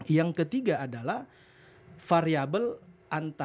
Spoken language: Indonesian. yang ketiga adalah variabel antara representasi pemimpin muda dan pemimpin tua